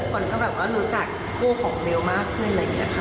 คนก็แบบว่ารู้จักคู่ของเบลมากขึ้นอะไรอย่างนี้ค่ะ